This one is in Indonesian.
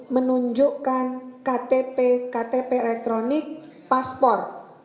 menunjukkan ktp elektronik paspor